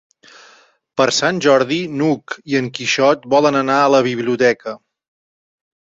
Per Sant Jordi n'Hug i en Quixot volen anar a la biblioteca.